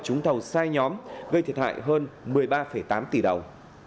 trúng thầu sai nhóm gây thiệt hại hơn một mươi ba tám tỷ đồng